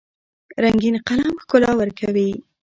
رنګین قلم ښکلا ورکوي.